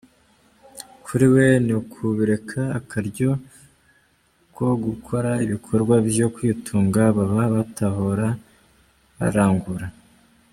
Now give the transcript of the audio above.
Kuri we, "Ni n'ukubereka akaryo ku gukora ibikorwa vyo kwitunga, baba batahora barangura.